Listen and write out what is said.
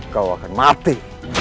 kau akan mati